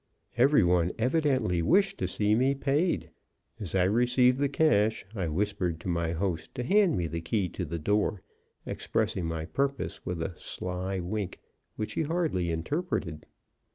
Every one evidently wished to see me paid. As I received the cash, I whispered to my host to hand me the key to the door, expressing my purpose with a sly wink, which he hardly interpreted.